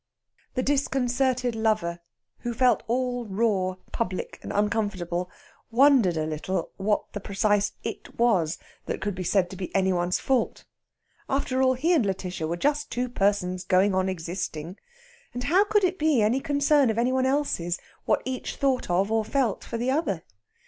The disconcerted lover, who felt all raw, public, and uncomfortable, wondered a little what the precise "it" was that could be said to be any one's fault. After all, he and Lætitia were just two persons going on existing, and how could it be any concern of any one else's what each thought of or felt for the other?